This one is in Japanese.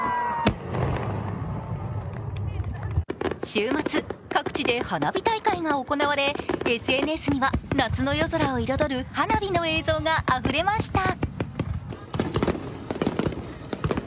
週末、各地で花火大会が行われＳＮＳには夏の夜空を彩る花火の映像があふれました。